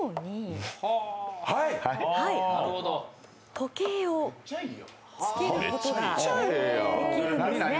時計をつけることができるんですね。